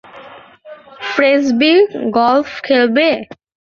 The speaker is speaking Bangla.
ফ্রিসবি গলফ খেলবে?